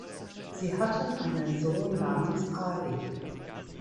Sie hatten einen Sohn namens Ali.